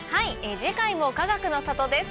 次回もかがくの里です。